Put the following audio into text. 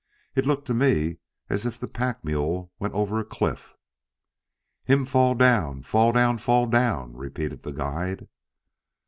"It looked to me as if the pack mule went over a cliff." "Him fall down, fall down, fall down," repeated the guide.